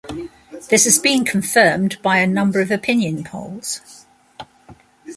This has been confirmed by a number of opinion polls.